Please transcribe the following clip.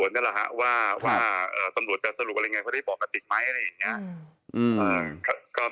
พี่หนุ่ม